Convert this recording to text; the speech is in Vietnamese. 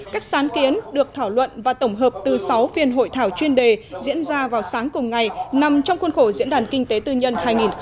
các sáng kiến được thảo luận và tổng hợp từ sáu phiên hội thảo chuyên đề diễn ra vào sáng cùng ngày nằm trong khuôn khổ diễn đàn kinh tế tư nhân hai nghìn một mươi chín